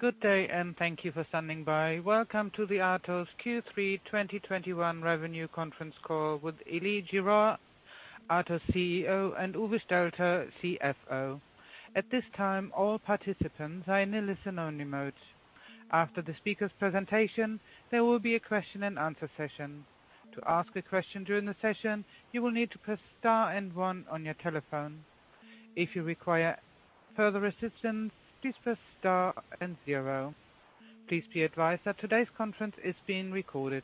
Good day, and thank you for standing by. Welcome to the Atos Q3 2021 revenue conference call with Elie Girard, Atos CEO, and Uwe Stelter, CFO. At this time, all participants are in a listen-only mode. After the speakers' presentation, there will be a question and answer session. To ask a question during the session you will need to press star and one on your telephone. If you require further assistance press star and zero. Please be advised that today's conference is being recorded.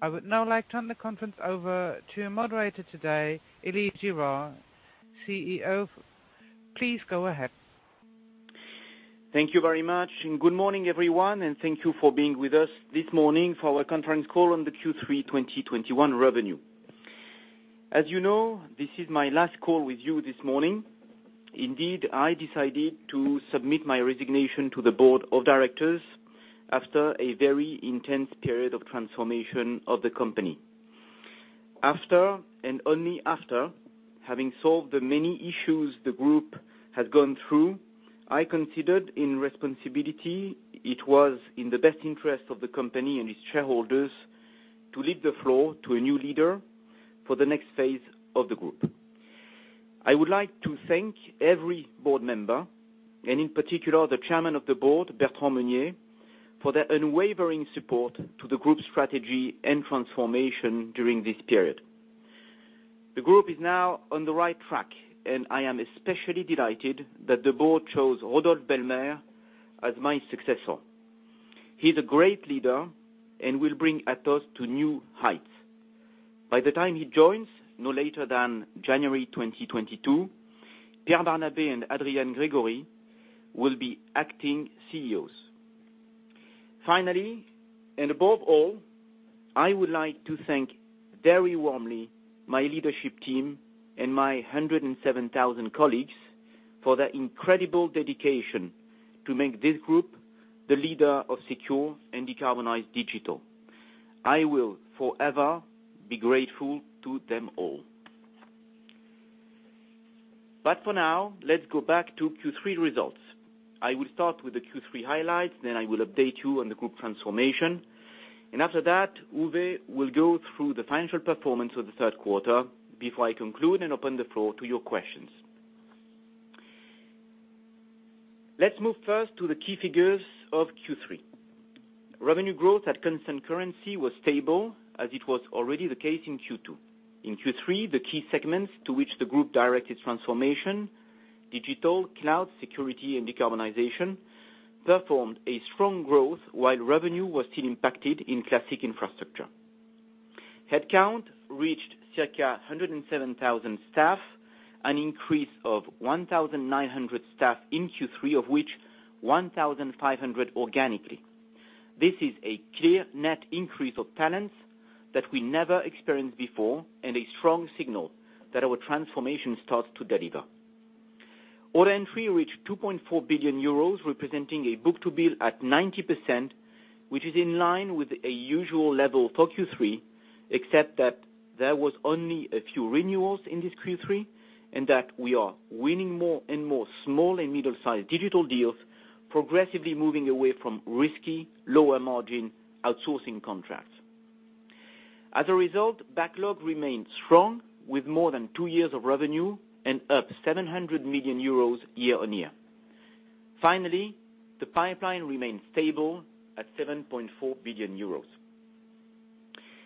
I would now like to turn the conference over to your moderator today, Elie Girard, CEO. Please go ahead. Thank you very much, good morning, everyone, and thank you for being with us this morning for our conference call on the Q3 2021 revenue. As you know, this is my last call with you this morning. Indeed, I decided to submit my resignation to the board of directors after a very intense period of transformation of the company. After, and only after, having solved the many issues the group has gone through, I considered in responsibility it was in the best interest of the company and its shareholders to leave the floor to a new leader for the next phase of the group. I would like to thank every board member, and in particular, the Chairman of the Board, Bertrand Meunier, for their unwavering support to the group strategy and transformation during this period. The group is now on the right track, and I am especially delighted that the board chose Rodolphe Belmer as my successor. He's a great leader and will bring Atos to new heights. By the time he joins, no later than January 2022, Pierre Barnabé and Adrian Gregory will be acting CEOs. Above all, I would like to thank very warmly my leadership team and my 107,000 colleagues for their incredible dedication to make this group the leader of secure and decarbonized digital. I will forever be grateful to them all. For now, let's go back to Q3 results. I will start with the Q3 highlights, then I will update you on the group transformation, and after that, Uwe will go through the financial performance of the third quarter before I conclude and open the floor to your questions. Let's move first to the key figures of Q3. Revenue growth at constant currency was stable, as it was already the case in Q2. In Q3, the key segments to which the group directed transformation, digital, cloud, security, and decarbonization, performed a strong growth while revenue was still impacted in classic infrastructure. Headcount reached circa 107,000 staff, an increase of 1,900 staff in Q3, of which 1,500 organically. This is a clear net increase of talents that we never experienced before and a strong signal that our transformation starts to deliver. Order entry reached 2.4 billion euros, representing a book-to-bill at 90%, which is in line with a usual level for Q3, except that there was only a few renewals in this Q3, and that we are winning more and more small and middle-sized digital deals, progressively moving away from risky, lower-margin outsourcing contracts. As a result, backlog remained strong with more than two years of revenue and up 700 million euros year-on-year. Finally, the pipeline remained stable at 7.4 billion euros.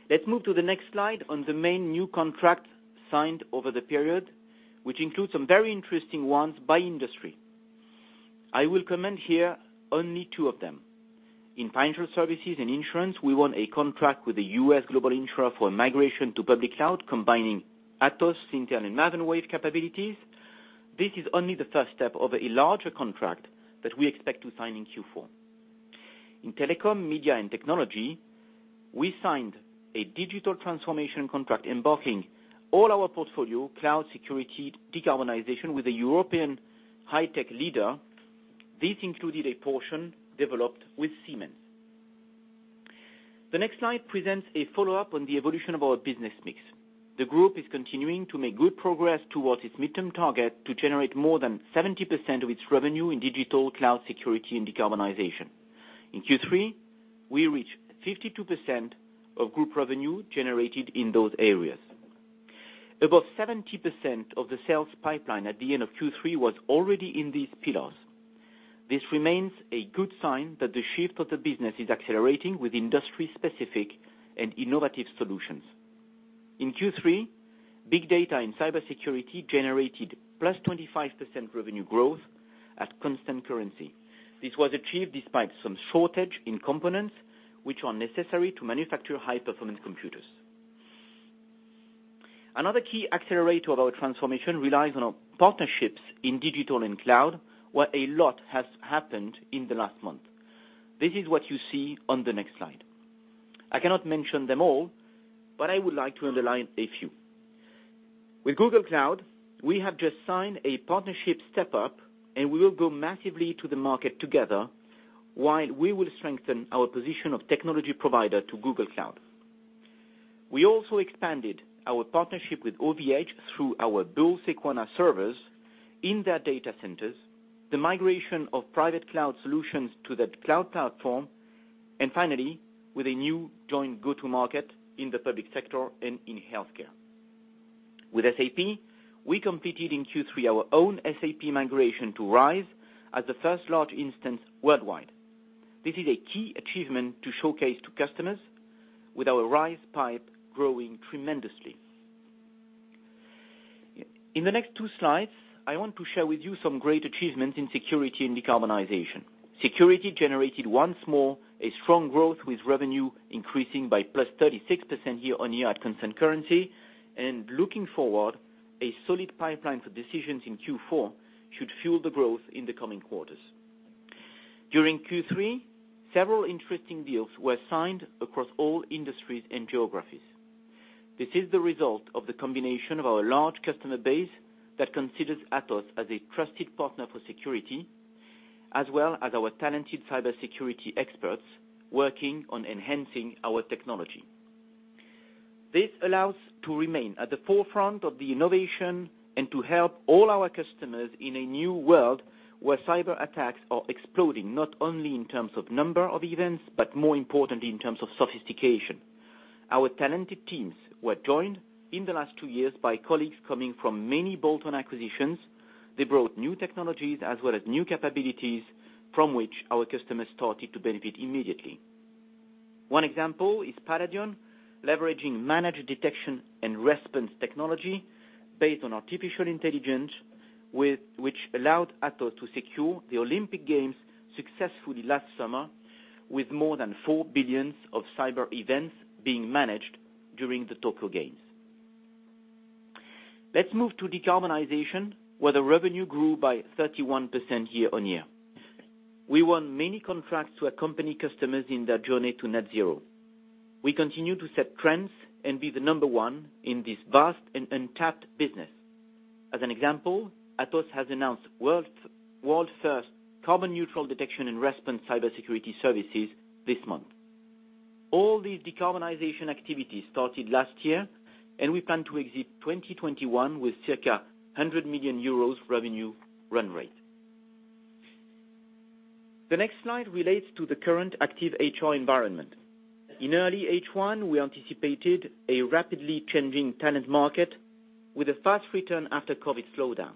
Let's move to the next slide on the main new contracts signed over the period, which includes some very interesting ones by industry. I will comment here only two of them. In financial services and insurance, we won a contract with a U.S. global insurer for migration to public cloud, combining Atos, Syntel, and Maven Wave capabilities. This is only the first step of a larger contract that we expect to sign in Q4. In telecom, media, and technology, we signed a digital transformation contract embarking all our portfolio, cloud security, decarbonization with a European high-tech leader. This included a portion developed with Siemens. The next slide presents a follow-up on the evolution of our business mix. The group is continuing to make good progress towards its midterm target to generate more than 70% of its revenue in digital, cloud, security, and decarbonization. In Q3, we reached 52% of group revenue generated in those areas. Above 70% of the sales pipeline at the end of Q3 was already in these pillars. This remains a good sign that the shift of the business is accelerating with industry-specific and innovative solutions. In Q3, big data and cybersecurity generated +25% revenue growth at constant currency. This was achieved despite some shortage in components which are necessary to manufacture high-performance computers. Another key accelerator of our transformation relies on our partnerships in digital and cloud, where a lot has happened in the last month. This is what you see on the next slide. I cannot mention them all, but I would like to underline a few. With Google Cloud, we have just signed a partnership step up and we will go massively to the market together while we will strengthen our position of technology provider to Google Cloud. We also expanded our partnership with OVH through our BullSequana servers in their data centers, the migration of private cloud solutions to that cloud platform, and finally, with a new joint go-to market in the public sector and in healthcare. With SAP, we completed in Q3 our own SAP migration to RISE as the first large instance worldwide. This is a key achievement to showcase to customers with our RISE pipe growing tremendously. In the next two slides, I want to share with you some great achievements in security and decarbonization. Security generated, once more, a strong growth, with revenue increasing by +36% year-over-year at constant currency, and looking forward, a solid pipeline for decisions in Q4 should fuel the growth in the coming quarters. During Q3, several interesting deals were signed across all industries and geographies. This is the result of the combination of our large customer base that considers Atos as a trusted partner for security, as well as our talented cybersecurity experts working on enhancing our technology. This allows to remain at the forefront of the innovation and to help all our customers in a new world where cyber attacks are exploding, not only in terms of number of events, but more importantly, in terms of sophistication. Our talented teams were joined in the last two years by colleagues coming from many bolt-on acquisitions. They brought new technologies as well as new capabilities from which our customers started to benefit immediately. One example is Paladion, leveraging managed detection and response technology based on artificial intelligence, which allowed Atos to secure the Olympic Games successfully last summer, with more than 4 billion cyber events being managed during the Tokyo Games. Let's move to decarbonization, where the revenue grew by 31% year-on-year. We won many contracts to accompany customers in their journey to net zero. We continue to set trends and be the number one in this vast and untapped business. As an example, Atos has announced world's first carbon neutral detection and response cybersecurity services this month. All these decarbonization activities started last year, and we plan to exit 2021 with circa 100 million euros revenue run rate. The next slide relates to the current active HR environment. In early H1, we anticipated a rapidly changing talent market with a fast return after COVID slowdown.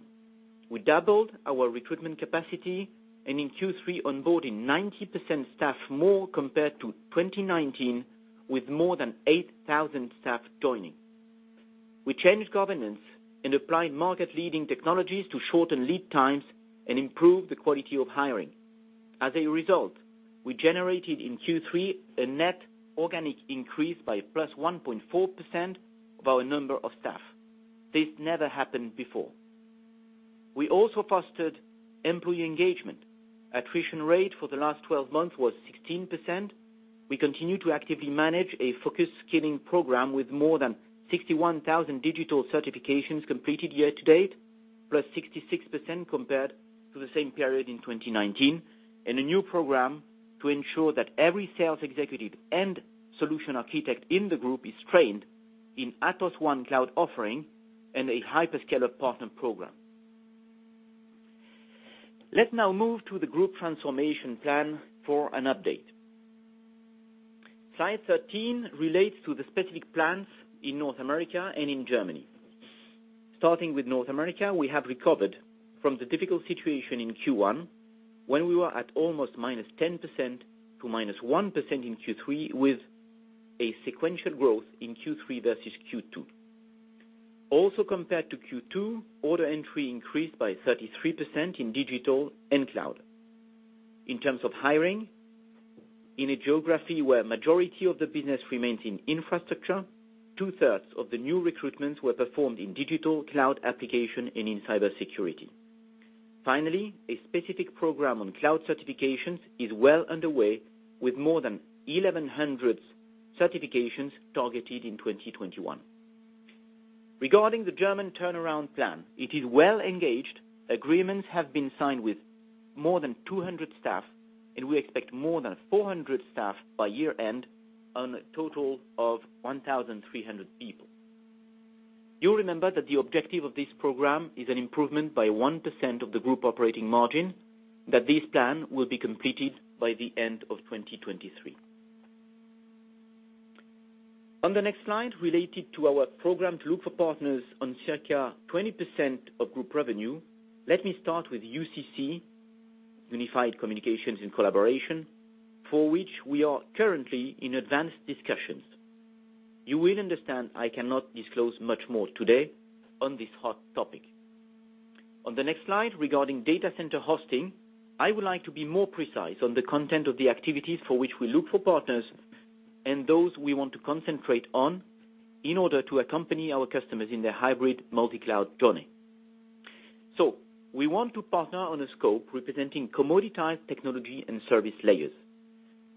We doubled our recruitment capacity, and in Q3, onboarding 90% staff more compared to 2019, with more than 8,000 staff joining. We changed governance and applied market-leading technologies to shorten lead times and improve the quality of hiring. As a result, we generated in Q3 a net organic increase by +1.4% of our number of staff. This never happened before. We also fostered employee engagement. Attrition rate for the last 12 months was 16%. We continue to actively manage a focused skilling program with more than 61,000 digital certifications completed year to date, +66% compared to the same period in 2019, and a new program to ensure that every sales executive and solution architect in the group is trained in Atos OneCloud offering and a hyperscaler partner program. Let's now move to the group transformation plan for an update. Slide 13 relates to the specific plans in North America and in Germany. Starting with North America, we have recovered from the difficult situation in Q1 when we were at almost -10% to -1% in Q3, with a sequential growth in Q3 versus Q2. Compared to Q2, order entry increased by 33% in digital and cloud. In terms of hiring, in a geography where majority of the business remains in infrastructure, 2/3 of the new recruitments were performed in digital cloud application and in cybersecurity. A specific program on cloud certifications is well underway with more than 1,100 certifications targeted in 2021. Regarding the German turnaround plan, it is well engaged. Agreements have been signed with more than 200 staff, we expect more than 400 staff by year-end on a total of 1,300 people. You'll remember that the objective of this program is an improvement by 1% of the group operating margin, that this plan will be completed by the end of 2023. On the next slide, related to our program to look for partners on circa 20% of group revenue, let me start with UCC, Unified Communications and Collaboration, for which we are currently in advanced discussions. You will understand I cannot disclose much more today on this hot topic. On the next slide, regarding data center hosting, I would like to be more precise on the content of the activities for which we look for partners and those we want to concentrate on in order to accompany our customers in their hybrid multi-cloud journey. We want to partner on a scope representing commoditized technology and service layers.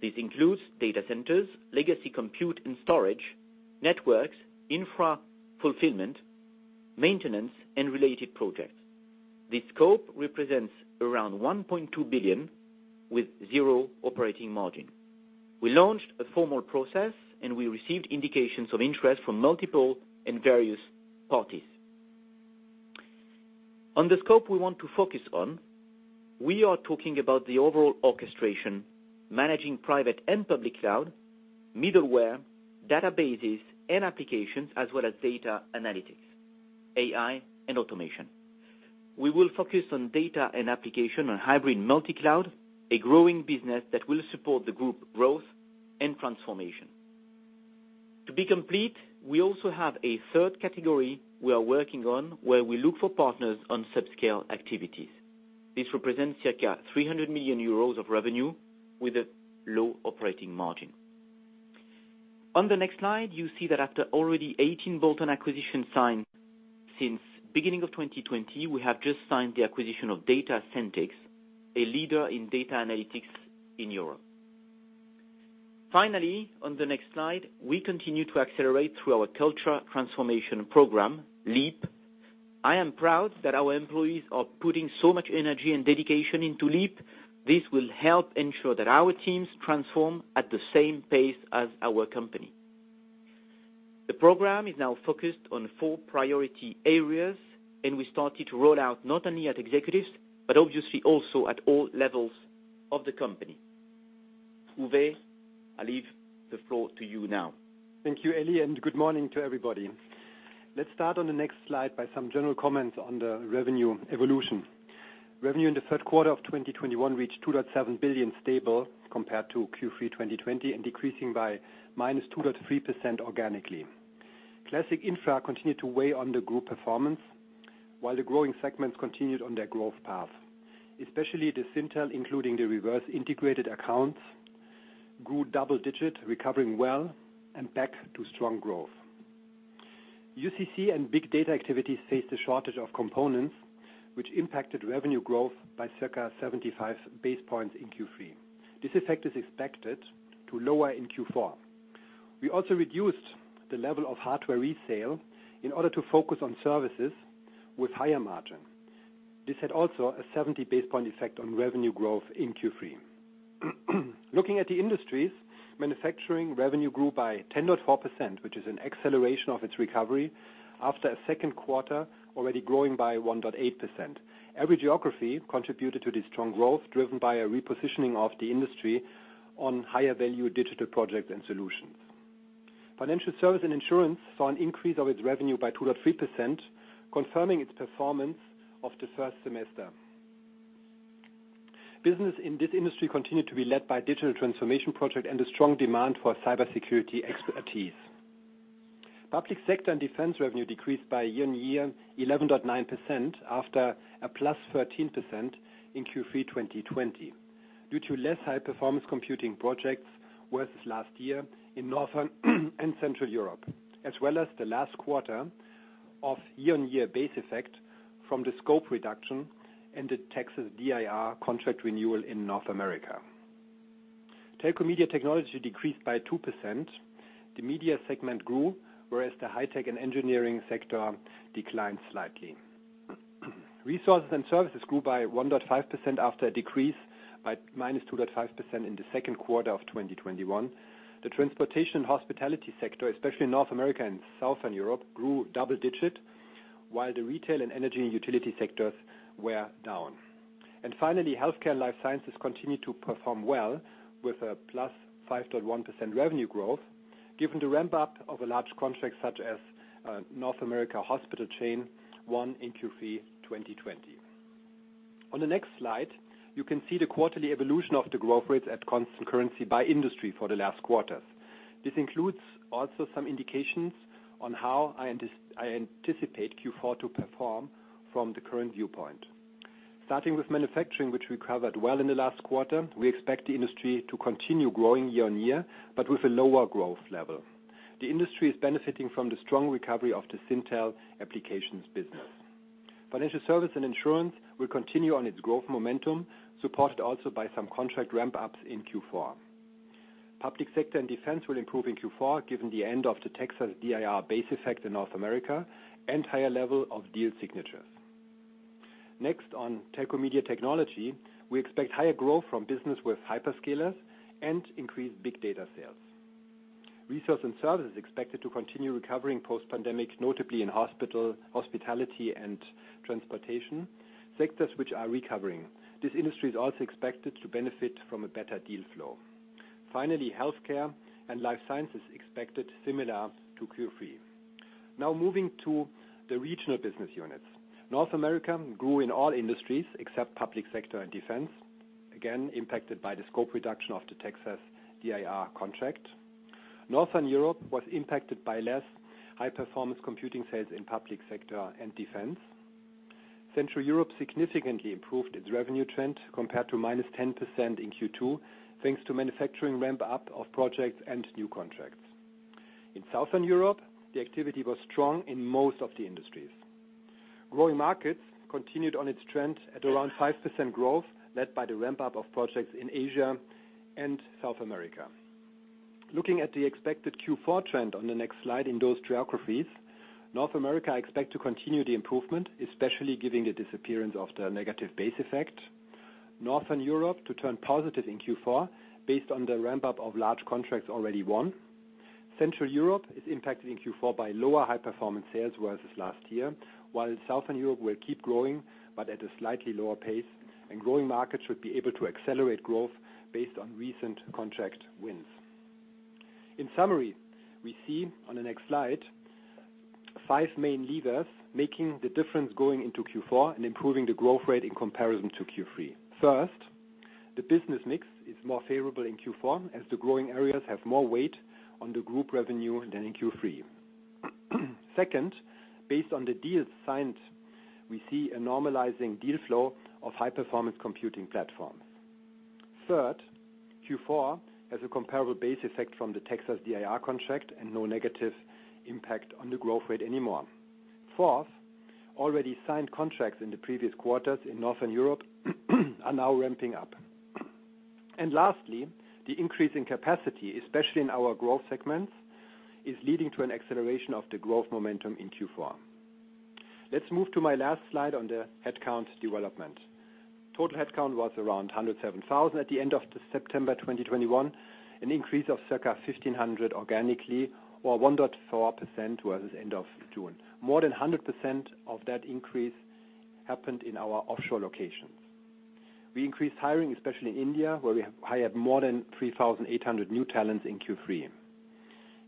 This includes data centers, legacy compute and storage, networks, infra fulfillment, maintenance and related projects. This scope represents around 1.2 billion with zero operating margin. We launched a formal process, and we received indications of interest from multiple and various parties. On the scope we want to focus on, we are talking about the overall orchestration, managing private and public cloud, middleware, databases and applications, as well as data analytics, AI, and automation. We will focus on data and application on hybrid multi-cloud, a growing business that will support the group growth and transformation. To be complete, we also have a third category we are working on where we look for partners on sub-scale activities. This represents circa 300 million euros of revenue with a low operating margin. On the next slide, you see that after already 18 bolt-on acquisition signed since beginning of 2020, we have just signed the acquisition of DataSentics, a leader in data analytics in Europe. Finally, on the next slide, we continue to accelerate through our culture transformation program, Leap. I am proud that our employees are putting so much energy and dedication into Leap. This will help ensure that our teams transform at the same pace as our company. The program is now focused on four priority areas, and we started to roll out not only at executives, but obviously also at all levels of the company. Uwe, I leave the floor to you now. Thank you, Elie, and good morning to everybody. Let's start on the next slide by some general comments on the revenue evolution. Revenue in the third quarter of 2021 reached 2.7 billion, stable compared to Q3 2020, and decreasing by -2.3% organically. Classic infra continued to weigh on the group performance, while the growing segments continued on their growth path. Especially the Syntel, including the reverse integrated accounts, grew double-digit, recovering well and back to strong growth. UCC and big data activities faced a shortage of components, which impacted revenue growth by circa 75 basis points in Q3. This effect is expected to lower in Q4. We also reduced the level of hardware resale in order to focus on services with higher margin. This had also a 70 basis point effect on revenue growth in Q3. Looking at the industries, manufacturing revenue grew by 10.4%, which is an acceleration of its recovery after a second quarter already growing by 1.8%. Every geography contributed to this strong growth, driven by a repositioning of the industry on higher value digital projects and solutions. Financial service and insurance saw an increase of its revenue by 2.3%, confirming its performance of the first semester. Business in this industry continued to be led by digital transformation project and the strong demand for cybersecurity expertise. Public sector and defense revenue decreased by year-on-year 11.9% after a +13% in Q3 2020 due to less high-performance computing projects versus last year in Northern and Central Europe, as well as the last quarter of year-on-year base effect from the scope reduction and the Texas DIR contract renewal in North America. Telco media technology decreased by 2%. The media segment grew, whereas the high tech and engineering sector declined slightly. Resources and services grew by 1.5% after a decrease by -2.5% in the second quarter of 2021. The transportation hospitality sector, especially in North America and Southern Europe, grew double digit, while the retail and energy and utility sectors were down. Finally, healthcare and life sciences continue to perform well with a +5.1% revenue growth given the ramp-up of a large contract such as North America Hospital chain, one in Q3 2020. On the next slide, you can see the quarterly evolution of the growth rates at constant currency by industry for the last quarters. This includes also some indications on how I anticipate Q4 to perform from the current viewpoint. Starting with manufacturing, which recovered well in the last quarter, we expect the industry to continue growing year-on-year, but with a lower growth level. The industry is benefiting from the strong recovery of the Syntel applications business. Financial service and insurance will continue on its growth momentum, supported also by some contract ramp-ups in Q4. Public sector and defense will improve in Q4, given the end of the Texas DIR base effect in North America and higher level of deal signatures. Next on telco media technology, we expect higher growth from business with hyperscalers and increased big data sales. Resource and service is expected to continue recovering post pandemic, notably in hospital, hospitality, and transportation sectors, which are recovering. This industry is also expected to benefit from a better deal flow. Finally, healthcare and life science is expected similar to Q3. Now moving to the regional business units. North America grew in all industries except public sector and defense, again, impacted by the scope reduction of the Texas DIR contract. Northern Europe was impacted by less high-performance computing sales in public sector and defense. Central Europe significantly improved its revenue trend compared to -10% in Q2 thanks to manufacturing ramp-up of projects and new contracts. In Southern Europe, the activity was strong in most of the industries. Growing markets continued on its trend at around 5% growth, led by the ramp-up of projects in Asia and South America. Looking at the expected Q4 trend on the next slide in those geographies, North America expect to continue the improvement, especially giving the disappearance of the negative base effect. Northern Europe to turn positive in Q4 based on the ramp-up of large contracts already won. Central Europe is impacted in Q4 by lower high-performance sales versus last year, while Southern Europe will keep growing, but at a slightly lower pace, and growing markets should be able to accelerate growth based on recent contract wins. In summary, we see on the next slide five main levers making the difference going into Q4 and improving the growth rate in comparison to Q3. First, the business mix is more favorable in Q4 as the growing areas have more weight on the group revenue than in Q3. Second, based on the deals signed, we see a normalizing deal flow of high-performance computing platforms. Third, Q4 has a comparable base effect from the Texas DIR contract and no negative impact on the growth rate anymore. Fourth, already signed contracts in the previous quarters in Northern Europe are now ramping up. Lastly, the increase in capacity, especially in our growth segments, is leading to an acceleration of the growth momentum in Q4. Let's move to my last slide on the headcount development. Total headcount was around 107,000 at the end of September 2021, an increase of circa 1,500 organically or 1.4% towards the end of June. More than 100% of that increase happened in our offshore locations. We increased hiring, especially in India, where we hired more than 3,800 new talents in Q3.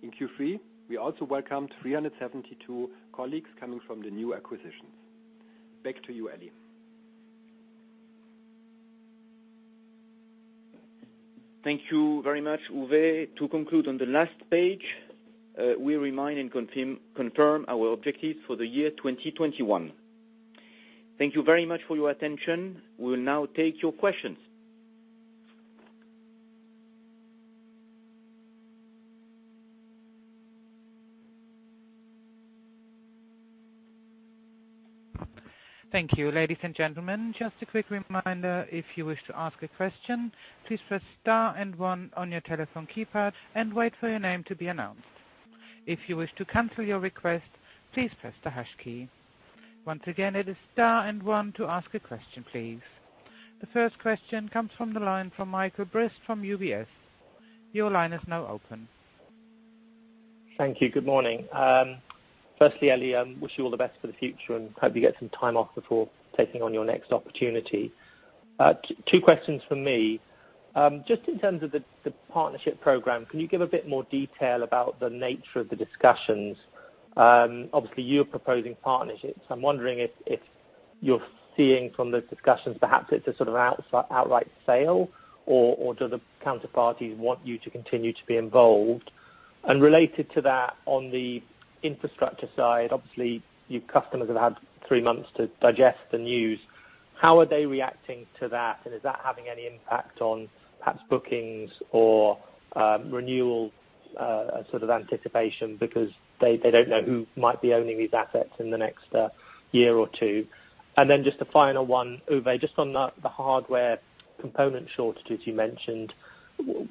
In Q3, we also welcomed 372 colleagues coming from the new acquisitions. Back to you, Elie. Thank you very much, Uwe. To conclude on the last page, we remind and confirm our objectives for the year 2021. Thank you very much for your attention. We will now take your questions. Thank you. Ladies and gentlemen, just a quick reminder, if you wish to ask a question, please press star and one on your telephone keypad and wait for your name to be announced. If you wish to cancel your request, please press the hash key. Once again, it is star and one to ask a question, please. The first question comes from the line from Michael Briest from UBS. Your line is now open. Thank you. Good morning. Firstly, Elie, wish you all the best for the future and hope you get some time off before taking on your next opportunity. Two questions from me. Just in terms of the partnership program, can you give a bit more detail about the nature of the discussions? Obviously, you're proposing partnerships. I'm wondering if you're seeing from those discussions, perhaps it's a sort of outright sale, or do the counterparties want you to continue to be involved? Related to that, on the infrastructure side, obviously, your customers have had three months to digest the news. How are they reacting to that? Is that having any impact on perhaps bookings or renewal sort of anticipation because they don't know who might be owning these assets in the next one or two years? Just a final one, Uwe, just on the hardware component shortages you mentioned.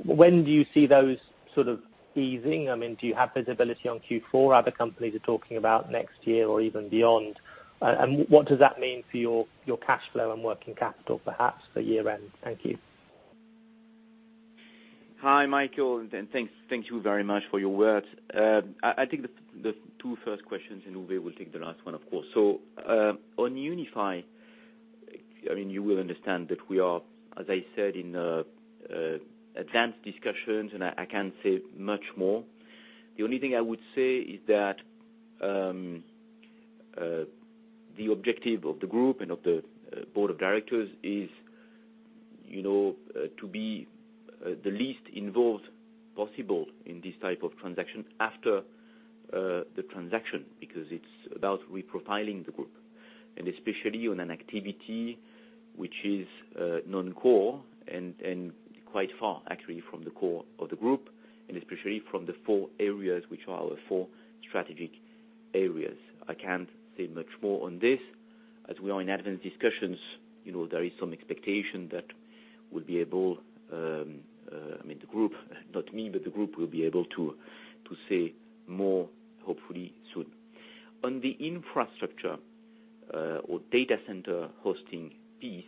When do you see those sort of easing? Do you have visibility on Q4? Other companies are talking about next year or even beyond. What does that mean for your cash flow and working capital, perhaps, for year-end? Thank you. Hi, Michael, thank you very much for your words. I think the two first questions, and Uwe will take the last one, of course. On Unify, you will understand that we are, as I said, in advanced discussions, and I can't say much more. The only thing I would say is that the objective of the group and of the board of directors is to be the least involved possible in this type of transaction after the transaction, because it's about reprofiling the group. Especially on an activity which is non-core and quite far, actually, from the core of the group, and especially from the four areas which are our four strategic areas. I can't say much more on this. As we are in advanced discussions, there is some expectation that we will be able, I mean, the group, not me, but the group will be able to say more, hopefully, soon. On the infrastructure or data center hosting piece,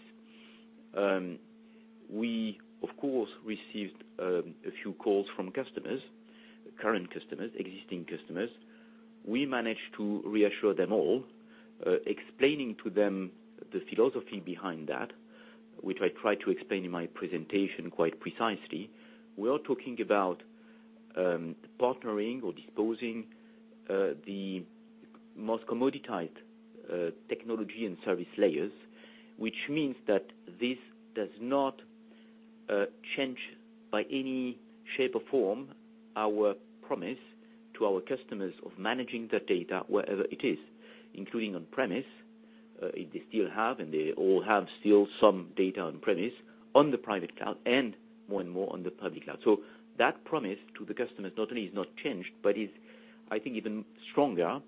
we, of course, received a few calls from customers, current customers, existing customers. We managed to reassure them all, explaining to them the philosophy behind that, which I tried to explain in my presentation quite precisely. We are talking about partnering or disposing the most commoditized technology and service layers, which means that this does not change by any shape or form our promise to our customers of managing their data wherever it is, including on-premise, if they still have, and they all have still some data on-premise, on the private cloud, and more and more on the public cloud. That promise to the customers not only is not changed, but is, I think, even stronger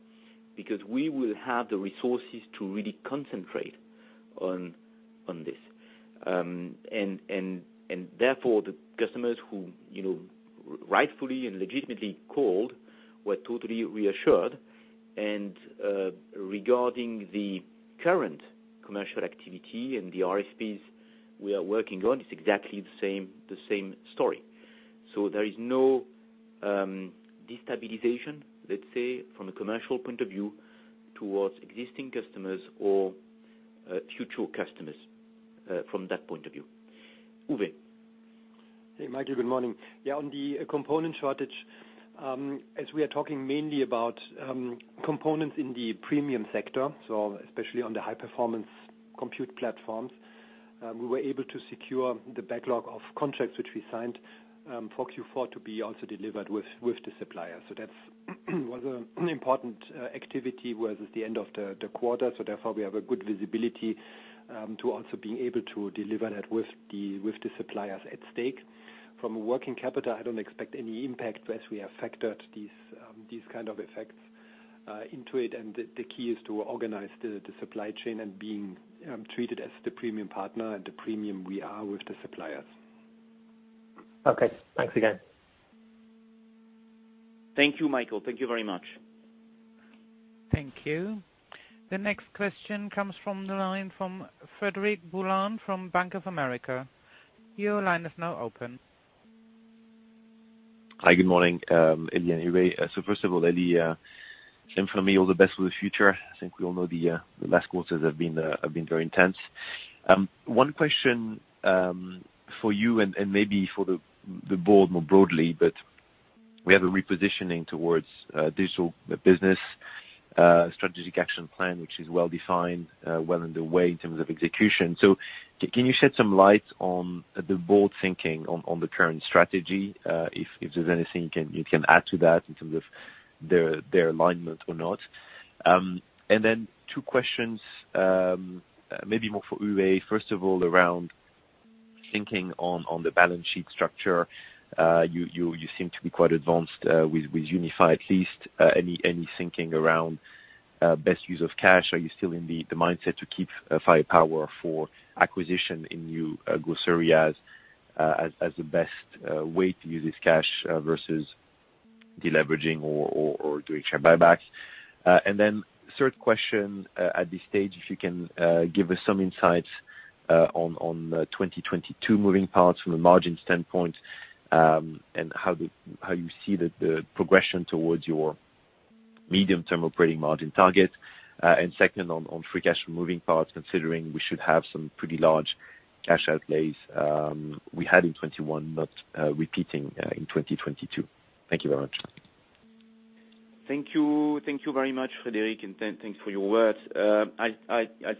because we will have the resources to really concentrate on this. Therefore, the customers who rightfully and legitimately called were totally reassured. Regarding the current commercial activity and the RFPs we are working on, it's exactly the same story. There is no destabilization, let's say, from a commercial point of view towards existing customers or future customers from that point of view, Uwe. Hey, Michael. Good morning. Yeah, on the component shortage, as we are talking mainly about components in the premium sector, especially on the high-performance compute platforms, we were able to secure the backlog of contracts, which we signed for Q4 to be also delivered with the supplier. That was an important activity towards the end of the quarter. Therefore, we have a good visibility to also being able to deliver that with the suppliers at stake. From a working capital, I don't expect any impact as we have factored these kind of effects into it. The key is to organize the supply chain and being treated as the premium partner and the premium we are with the suppliers. Okay. Thanks again. Thank you, Michael. Thank you very much. Thank you. The next question comes from the line from Frederic Boulan from Bank of America. Your line is now open. Hi. Good morning, Elie and Uwe. First of all, Elie, and for me, all the best for the future. I think we all know the last quarters have been very intense. One question for you and maybe for the board more broadly, we have a repositioning towards digital business strategic action plan, which is well-defined, well underway in terms of execution. Can you shed some light on the bold thinking on the current strategy? If there's anything you can add to that in terms of their alignment or not. Two questions, maybe more for Uwe. First of all, around thinking on the balance sheet structure. You seem to be quite advanced with Unify, at least. Any thinking around best use of cash? Are you still in the mindset to keep firepower for acquisition in new growth areas as the best way to use this cash versus deleveraging or doing share buyback? Third question, at this stage, if you can give us some insights on 2022 moving parts from a margin standpoint, and how you see the progression towards your medium-term operating margin target. Second, on free cash moving parts, considering we should have some pretty large cash outlays we had in 2021, not repeating in 2022. Thank you very much. Thank you. Thank you very much, Frederic, and thanks for your words. I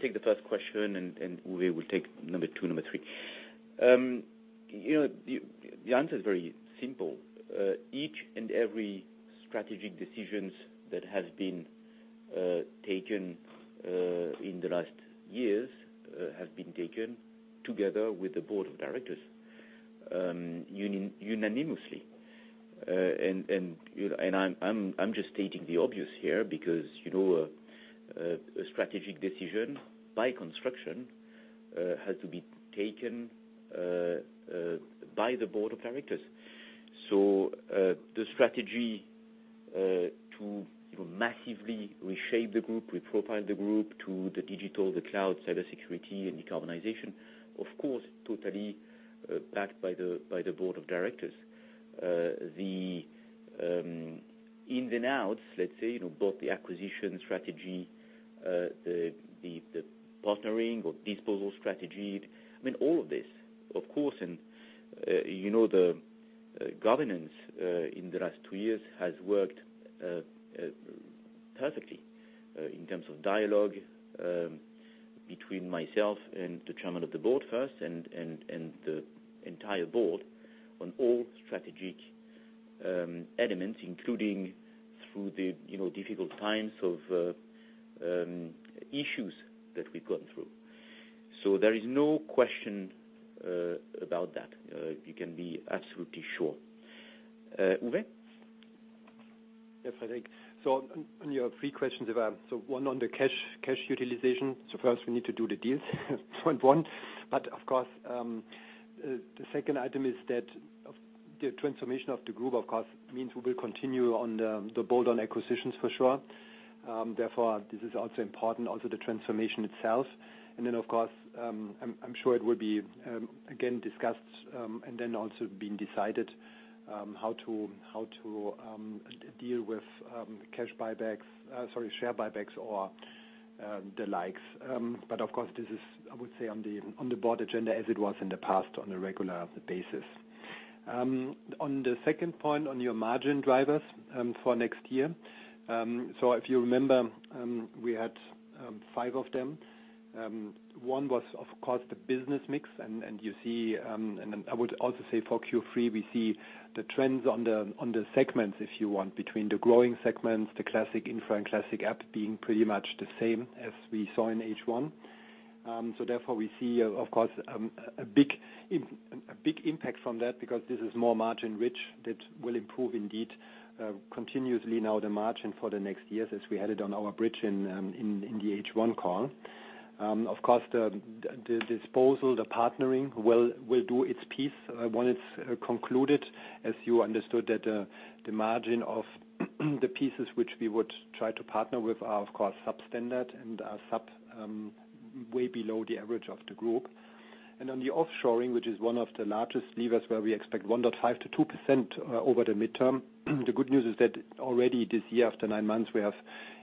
take the first question. Uwe will take number two and number three. The answer is very simple. Each and every strategic decisions that has been taken in the last years have been taken together with the board of directors unanimously. I'm just stating the obvious here because a strategic decision by construction has to be taken by the board of directors. The strategy to massively reshape the group, reprofile the group to the digital, the cloud, cybersecurity, and decarbonization, of course, totally backed by the board of directors. The ins and outs, let's say, both the acquisition strategy, the partnering or disposal strategy, I mean, all of this, of course. The governance in the last two years has worked perfectly in terms of dialogue between myself and the Chairman of the Board first and the entire Board on all strategic elements, including through the difficult times of issues that we've gone through. There is no question about that. You can be absolutely sure. Uwe? Yeah, Frederic. On your three questions, one on the cash utilization. First, we need to do the deals point 1. Of course, the second item is that the transformation of the group, of course, means we will continue on the bolt-on acquisitions for sure. Therefore, this is also important, also the transformation itself. Then, of course, I'm sure it will be again discussed, and then also being decided how to deal with cash buybacks, share buybacks or the likes. Of course, this is, I would say, on the Board agenda as it was in the past on a regular basis. On the second point on your margin drivers for next year, if you remember, we had five of them. One was, of course, the business mix. I would also say for Q3, we see the trends on the segments, if you want, between the growing segments, the classic infra and classic app being pretty much the same as we saw in H1. Therefore, we see, of course, a big impact from that because this is more margin-rich that will improve indeed continuously now the margin for the next years as we had it on our bridge in the H1 call. Of course, the disposal, the partnering will do its piece when it's concluded. As you understood that the margin of the pieces which we would try to partner with are, of course, sub-standard and way below the average of the group. On the offshoring, which is one of the largest levers where we expect 1.5%-2% over the midterm, the good news is that already this year, after nine months, we have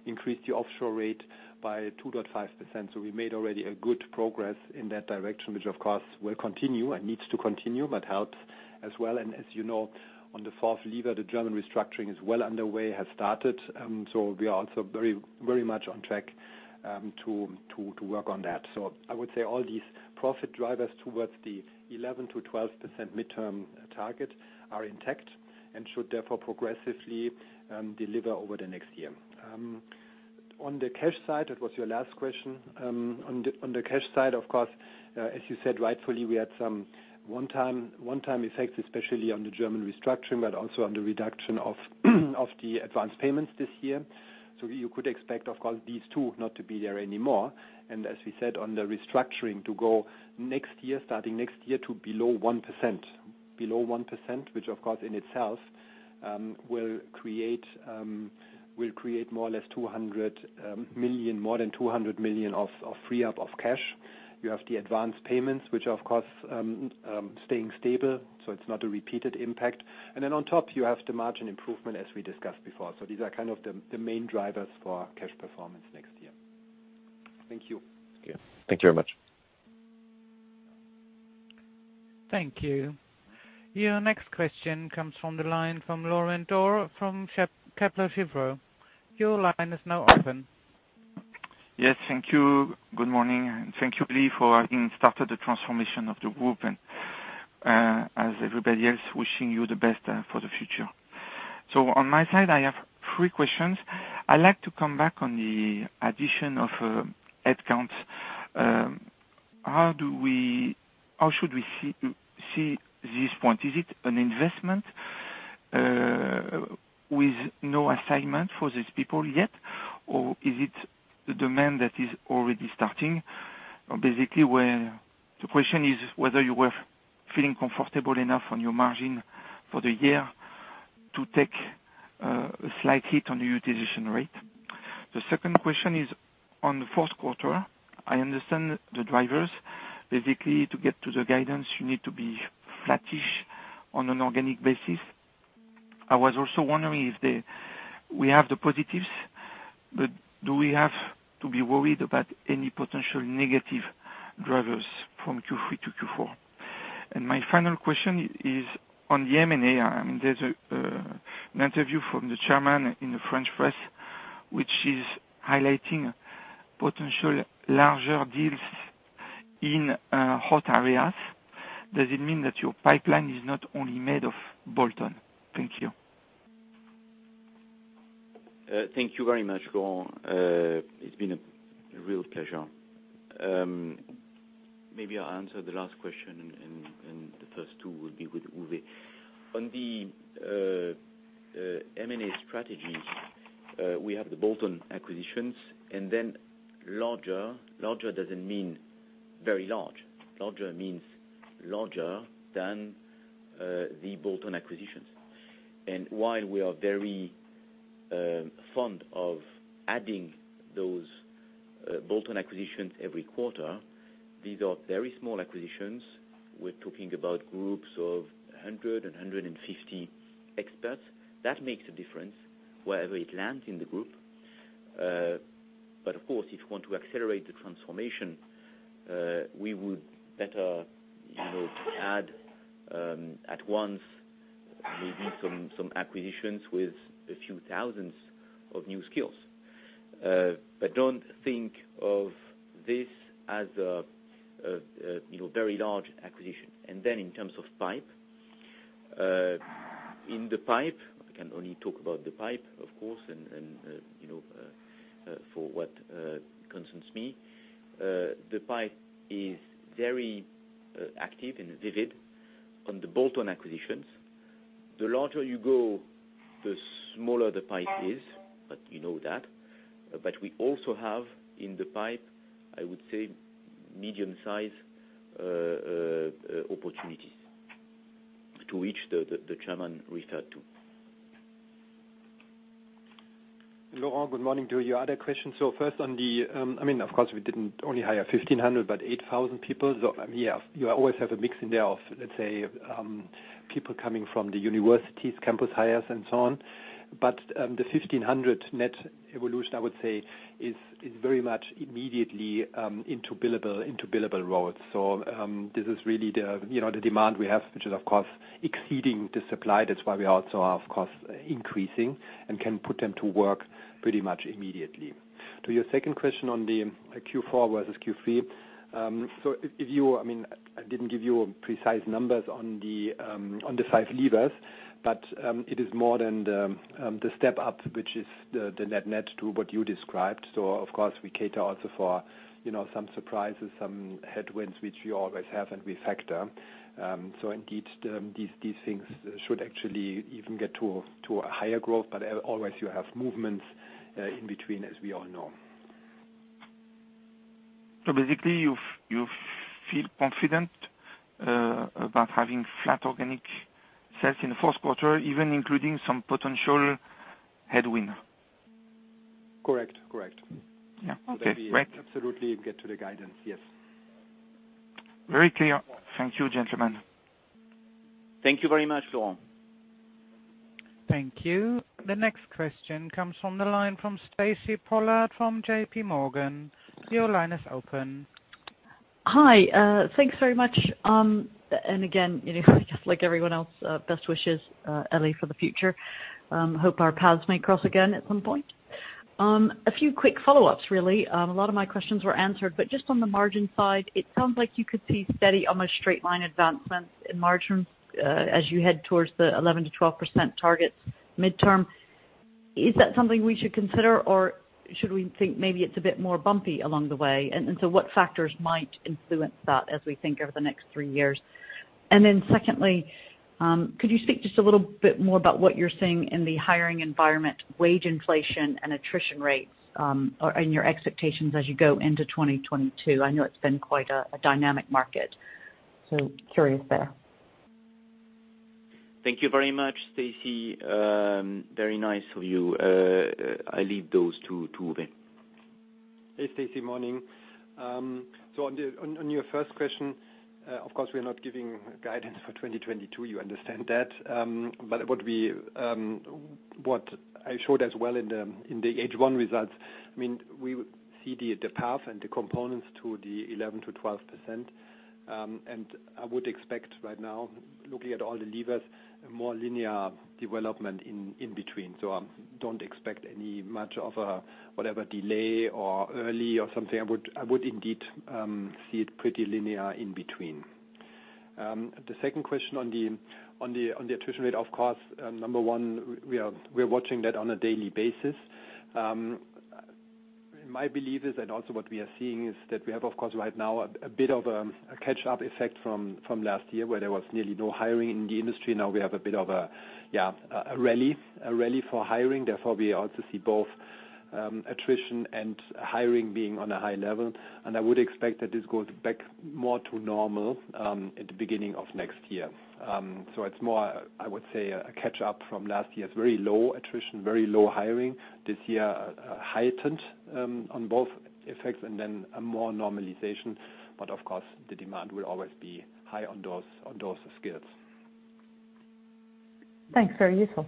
increased the offshore rate by 2.5%. We made already a good progress in that direction, which, of course, will continue and needs to continue, but helps as well. As you know, on the fourth lever, the German restructuring is well underway, has started. We are also very much on track to work on that. I would say all these profit drivers towards the 11%-12% midterm target are intact and should therefore progressively deliver over the next year. On the cash side, that was your last question. On the cash side, of course, as you said rightfully, we had some one-time effects, especially on the German restructuring, but also on the reduction of the advance payments this year. You could expect, of course, these two not to be there anymore. As we said on the restructuring to go next year, starting next year to below 1%, which of course in itself will create more than 200 million of free up of cash. You have the advanced payments, which, of course, staying stable, so it's not a repeated impact. On top, you have the margin improvement as we discussed before. These are kind of the main drivers for cash performance next year. Thank you. Yeah. Thank you very much. Thank you. Your next question comes from the line from Laurent Daure from Kepler Cheuvreux. Your line is now open. Yes. Thank you. Good morning. Thank you, Elie, for having started the transformation of the group. As everybody else, wishing you the best for the future. On my side, I have three questions. I'd like to come back on the addition of headcount. How should we see this point? Is it an investment with no assignment for these people yet? Or is it the demand that is already starting? Basically where the question is whether you were feeling comfortable enough on your margin for the year to take a slight hit on the utilization rate. The second question is on the fourth quarter. I understand the drivers. Basically, to get to the guidance, you need to be flattish on an organic basis. I was also wondering if we have the positives, but do we have to be worried about any potential negative drivers from Q3 to Q4? My final question is on the M&A. There's an interview from the chairman in the French press, which is highlighting potential larger deals in hot areas. Does it mean that your pipeline is not only made of bolt-on? Thank you. Thank you very much, Laurent. It's been a real pleasure. Maybe I'll answer the last question and the first two will be with Uwe. On the M&A strategies, we have the bolt-on acquisitions and then larger. Larger doesn't mean very large. Larger means larger than the bolt-on acquisitions. While we are very fond of adding those bolt-on acquisitions every quarter, these are very small acquisitions. We're talking about groups of 100 and 150 experts. That makes a difference wherever it lands in the group. Of course, if you want to accelerate the transformation we would better add at once, maybe some acquisitions with a few thousands of new skills. Don't think of this as a very large acquisition. In terms of pipe. In the pipe, I can only talk about the pipe, of course, and for what concerns me, the pipe is very active and vivid on the bolt-on acquisitions. The larger you go, the smaller the pipe is, but you know that. We also have in the pipe, I would say, medium-size opportunities to which the Chairman referred to. Laurent, good morning to you. Other questions. First, we didn't only hire 1,500, but 8,000 people. You always have a mix in there of people coming from the universities, campus hires and so on. The 1,500 net evolution is very much immediately into billable roles. This is really the demand we have, which is exceeding the supply. That's why we also are increasing and can put them to work pretty much immediately. To your second question on the Q4 versus Q3. I didn't give you precise numbers on the five levers, it is more than the step up, which is the net to what you described. We cater also for some surprises, some headwinds, which we always have and we factor. Indeed, these things should actually even get to a higher growth. Always you have movements in between, as we all know. Basically, you feel confident about having flat organic sales in the fourth quarter, even including some potential headwind? Correct. Yeah. Okay, great. Absolutely get to the guidance. Yes. Very clear. Thank you, gentlemen. Thank you very much, Laurent. Thank you. The next question comes from the line from Stacy Pollard from JPMorgan. Your line is open. Hi. Thanks very much. Again, just like everyone else, best wishes, Elie, for the future. Hope our paths may cross again at some point. A few quick follow-ups really. A lot of my questions were answered, just on the margin side, it sounds like you could see steady, almost straight line advancements in margins, as you head towards the 11%-12% targets midterm. Is that something we should consider, should we think maybe it's a bit more bumpy along the way, what factors might influence that as we think over the next three years? Secondly, could you speak just a little bit more about what you're seeing in the hiring environment, wage inflation, and attrition rates, or in your expectations as you go into 2022? I know it's been quite a dynamic market, curious there. Thank you very much, Stacy. Very nice of you. I leave those to Uwe. Hey, Stacy. Morning. On your first question, of course, we are not giving guidance for 2022. You understand that. What I showed as well in the H1 results, we see the path and the components to the 11%-12%. I would expect right now, looking at all the levers, a more linear development in between. I don't expect any much of a whatever delay or early or something. I would indeed see it pretty linear in between. The second question on the attrition rate, of course, number one, we are watching that on a daily basis. My belief is, and also what we are seeing is that we have, of course, right now a bit of a catch-up effect from last year where there was nearly no hiring in the industry. Now we have a bit of a rally for hiring. We also see both attrition and hiring being on a high level. I would expect that this goes back more to normal at the beginning of next year. It's more, I would say, a catch-up from last year's very low attrition, very low hiring. This year, heightened on both effects and then more normalization. Of course, the demand will always be high on those skills. Thanks. Very useful.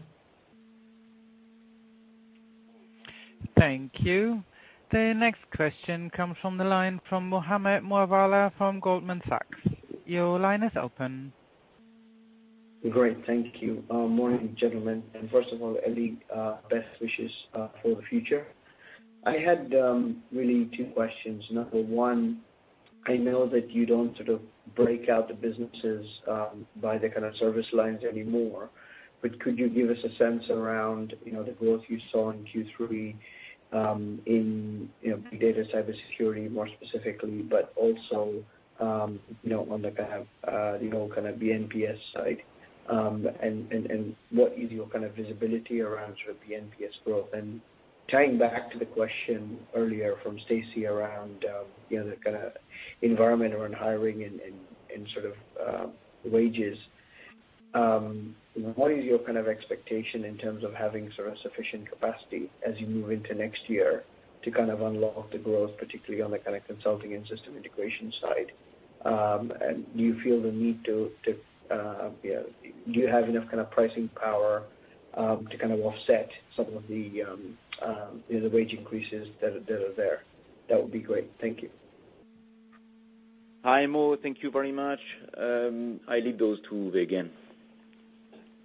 Thank you. The next question comes from the line from Mohammed Moawalla from Goldman Sachs. Your line is open. Great. Thank you. Morning, gentlemen. First of all, Elie, best wishes for the future. I had really two questions. Number one, I know that you don't sort of break out the businesses by the kind of service lines anymore, but could you give us a sense around the growth you saw in Q3 in big data, cybersecurity more specifically, but also on the kind of BPS side, and what is your kind of visibility around sort of BPS growth? Tying back to the question earlier from Stacy around the kind of environment around hiring and sort of wages, what is your kind of expectation in terms of having sufficient capacity as you move into next year to kind of unlock the growth, particularly on the kind of consulting and system integration side? Do you have enough kind of pricing power to kind of offset some of the wage increases that are there? That would be great. Thank you. Hi, Mo. Thank you very much. I leave those to Uwe again.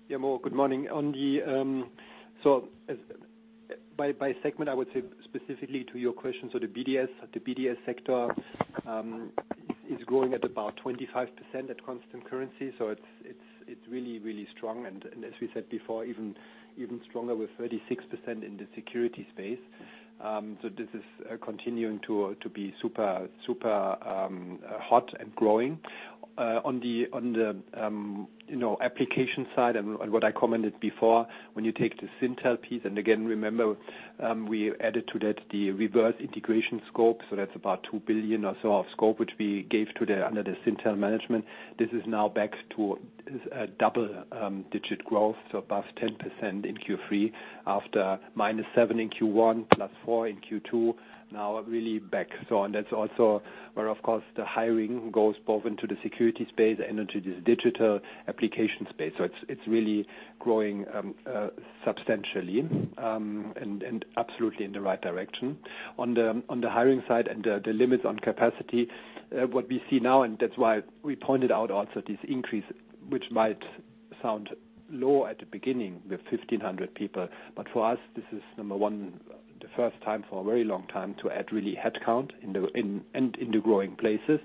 Yeah, Mo, good morning. By segment, I would say specifically to your question, the BDS sector is growing at about 25% at constant currency. It's really strong and as we said before, even stronger with 36% in the security space. This is continuing to be super hot and growing. On the application side and what I commented before, when you take the Syntel piece, and again, remember, we added to that the reverse integration scope. That's about 2 billion or so of scope, which we gave under the Syntel management. This is now back to a double-digit growth, so above 10% in Q3 after -7% in Q1, +4% in Q2. Now really back. That's also where, of course, the hiring goes both into the security space and into this digital application space. It's really growing substantially, and absolutely in the right direction. On the hiring side and the limits on capacity, what we see now, and that's why we pointed out also this increase, which might sound low at the beginning with 1,500 people. For us, this is number one, the first time for a very long time to add really headcount and in the growing places.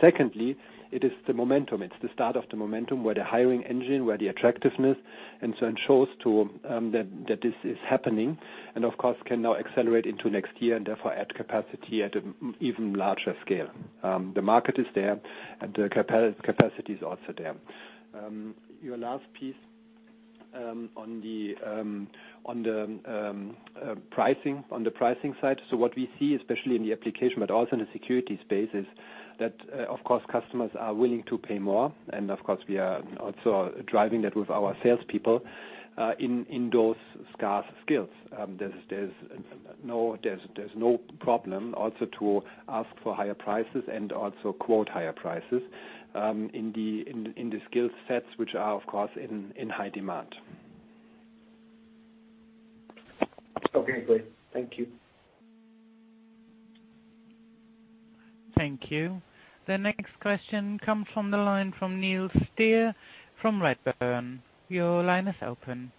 Secondly, it is the momentum. It's the start of the momentum where the hiring engine, where the attractiveness it shows too that this is happening and of course can now accelerate into next year and therefore add capacity at an even larger scale. The market is there and the capacity is also there. Your last piece on the pricing side. What we see, especially in the application but also in the security space, is that of course customers are willing to pay more, and of course we are also driving that with our salespeople in those scarce skills. There's no problem also to ask for higher prices and also quote higher prices in the skill sets which are, of course, in high demand. Okay, great. Thank you. Thank you. The next question comes from the line from Neil Steer from Redburn. Your line is open.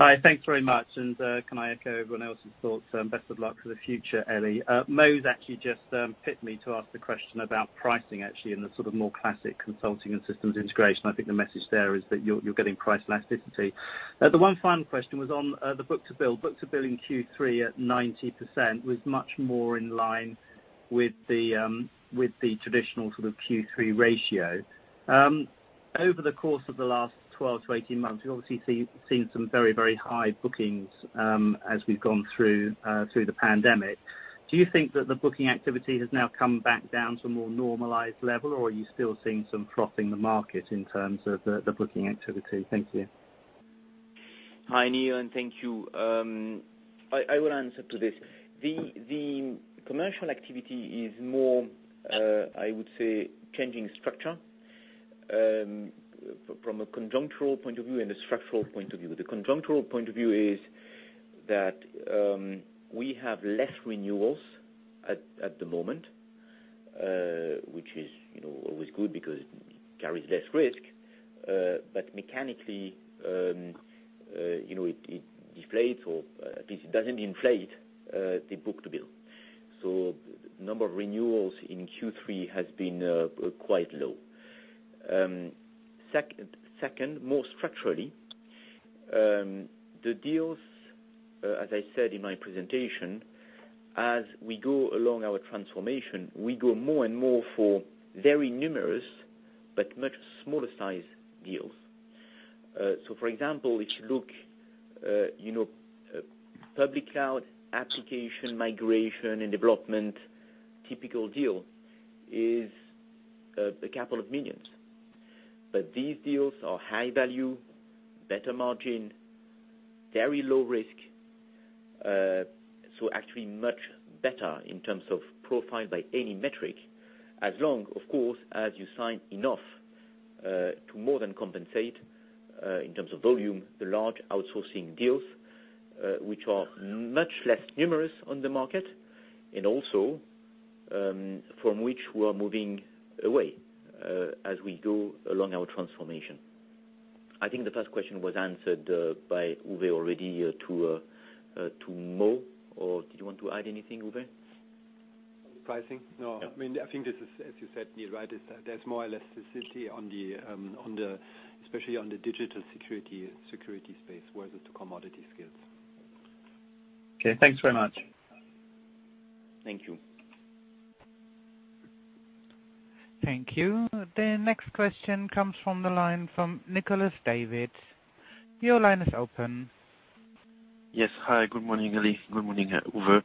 Hi. Thanks very much. Can I echo everyone else's thoughts? Best of luck for the future, Elie. Mo's actually just pitted me to ask the question about pricing, actually, in the sort of more classic consulting and systems integration. I think the message there is that you're getting price elasticity. The one final question was on the book-to-bill. Book-to-bill in Q3 at 90% was much more in line with the traditional sort of Q3 ratio. Over the course of the last 12-18 months, we've obviously seen some very high bookings, as we've gone through the pandemic. Do you think that the booking activity has now come back down to a more normalized level, or are you still seeing some froth in the market in terms of the booking activity? Thank you. Hi, Neil. Thank you. I will answer to this. The commercial activity is more, I would say, changing structure, from a conjunctural point of view and a structural point of view. The conjunctural point of view is that we have less renewals at the moment, which is always good because it carries less risk. Mechanically, it deflates or at least it doesn't inflate the book-to-bill. The number of renewals in Q3 has been quite low. Second, more structurally, the deals, as I said in my presentation, as we go along our transformation, we go more and more for very numerous but much smaller size deals. For example, if you look, public cloud application migration and development, typical deal is a couple of million. These deals are high value, better margin, very low risk. Actually much better in terms of profile by any metric, as long, of course, as you sign enough, to more than compensate, in terms of volume, the large outsourcing deals, which are much less numerous on the market, and also, from which we are moving away, as we go along our transformation. I think the first question was answered by Uwe already to Mo, or did you want to add anything, Uwe? Pricing? No. Yeah. I think this is, as you said, Neil, right, is that there's more elasticity, especially on the digital security space versus the commodity space. Okay, thanks very much. Thank you. Thank you. The next question comes from the line from Nicolas David. Your line is open. Yes. Hi, good morning, Elie. Good morning, Uwe.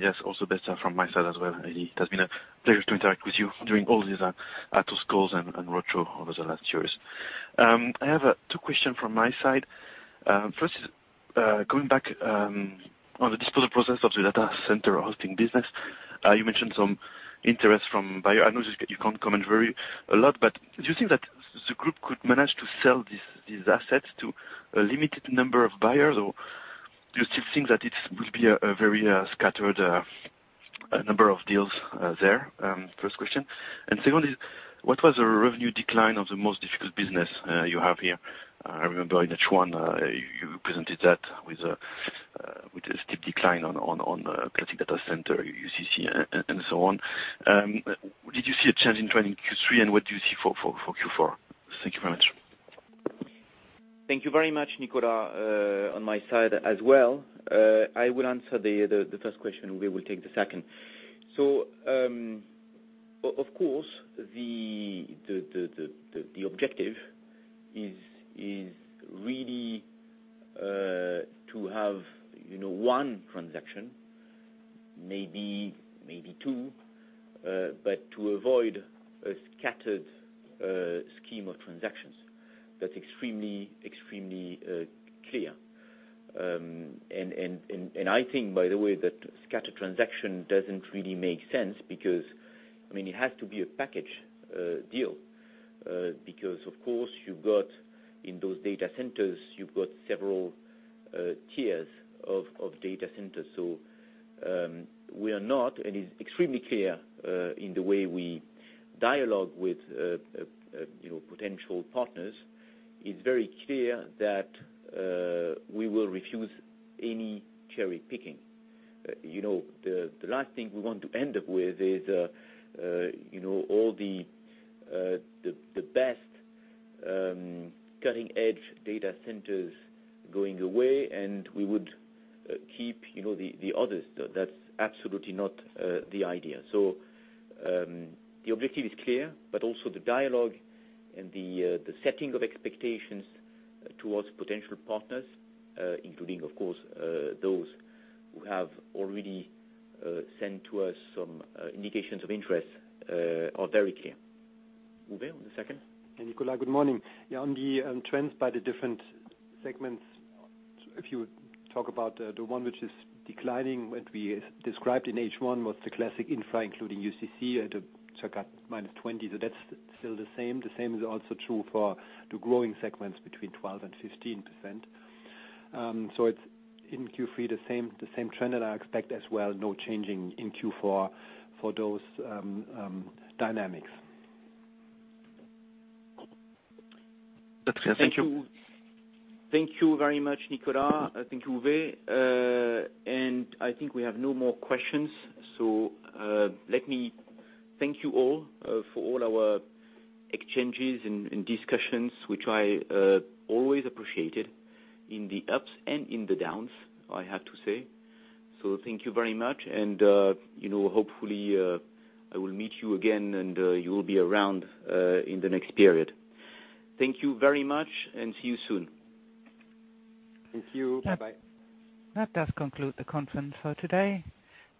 Yes, also best wishes from my side as well, Elie. It has been a pleasure to interact with you during all these Atos calls and retro over the last years. I have two questions from my side. First is, going back on the disposal process of the data center hosting business. You mentioned some interest from buyer. I know you can't comment very a lot, but do you think that the group could manage to sell these assets to a limited number of buyers, or do you still think that it will be a very scattered number of deals there? First question. Second is, what was the revenue decline of the most difficult business you have here? I remember in H1 you presented that with a steep decline on classic data center, UCC, and so on. Did you see a change in trend in Q3, and what do you see for Q4? Thank you very much. Thank you very much, Nicolas, on my side as well. I will answer the first question. Uwe will take the second. Of course, the objective is really to have one transaction, maybe 2, but to avoid a scattered scheme of transactions. That's extremely clear. I think, by the way, that scattered transaction doesn't really make sense because it has to be a package deal. Of course, in those data centers, you've got several tiers of data centers. It's extremely clear in the way we dialogue with potential partners. It's very clear that we will refuse any cherry-picking. The last thing we want to end up with is all the best cutting-edge data centers going away, and we would keep the others. That's absolutely not the idea. The objective is clear, but also the dialogue and the setting of expectations towards potential partners, including, of course, those who have already sent to us some indications of interest, are very clear. Uwe, on the second? Yeah, Nicolas, good morning. On the trends by the different segments, if you talk about the one which is declining, what we described in H1 was the classic infra, including UCC at -20%. That's still the same. The same is also true for the growing segments between 12% and 15%. It's in Q3, the same trend, and I expect as well, no changing in Q4 for those dynamics. That's clear. Thank you. Thank you very much, Nicolas. Thank you, Uwe. I think we have no more questions. Let me thank you all for all our exchanges and discussions, which I always appreciated in the ups and in the downs, I have to say. Thank you very much, and hopefully, I will meet you again and you will be around in the next period. Thank you very much, and see you soon. Thank you. Bye-bye. That does conclude the conference for today.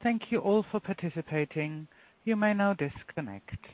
Thank you all for participating. You may now disconnect.